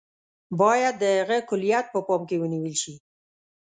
باید د هغه کُلیت په پام کې ونیول شي.